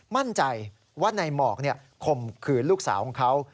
มั่นใจว่านายหมอกข่มขืนลูกสาวของเขา